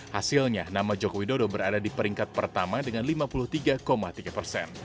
hasilnya nama joko widodo berada di peringkat pertama dengan lima puluh tiga tiga persen